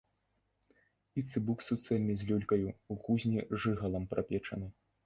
І цыбук суцэльны з люлькаю, у кузні жыгалам прапечаны.